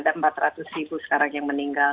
ada empat ratus ribu sekarang yang meninggal